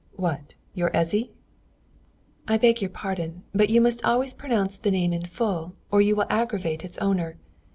"What, your Ezzy?" "I beg your pardon, but you must always pronounce the name in full, or you will aggravate its owner.